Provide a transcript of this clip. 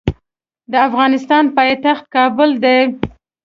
د افغانستان پایتخت کابل دی.